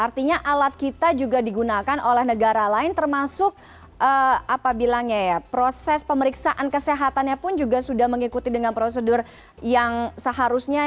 artinya alat kita juga digunakan oleh negara lain termasuk apa bilangnya ya proses pemeriksaan kesehatannya pun juga sudah mengikuti dengan prosedur yang seharusnya